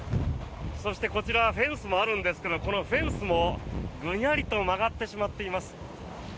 そして、こちらフェンスもあるんですがこのフェンスも、ぐにゃりと曲がってしまっています。